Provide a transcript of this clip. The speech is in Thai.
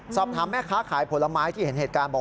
สอบถามแม่ค้าขายผลไม้ที่เห็นเหตุการณ์บอก